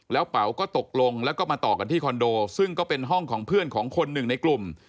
แล้วเป๋าก็ตกลงแล้วก็มาต่อกันที่คอนโดซึ่งก็เป็นห้องของเพื่อนของคนหนึ่งในกลุ่ม